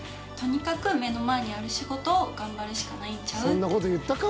［そんな事言ったか？